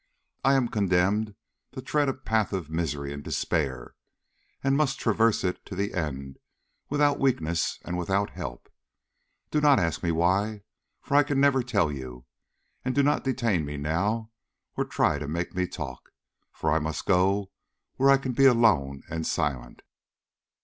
I am condemned to tread a path of misery and despair, and must traverse it to the end without weakness and without help. Do not ask me why, for I can never tell you. And do not detain me now, or try to make me talk, for I must go where I can be alone and silent."